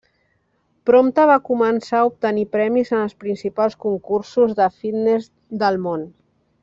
Prompte va començar a obtenir premis en els principals concursos de fitness del món.